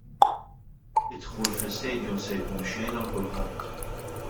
Id-dħul fl-istadium se jkun b'xejn għal kulħadd.